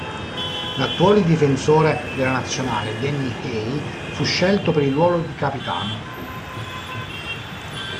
L'attuale difensore della nazionale Danny Hay fu scelto per il ruolo di capitano.